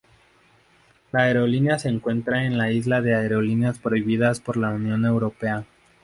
La aerolínea se encuentra en la lista de aerolíneas prohibidas por la Unión Europea.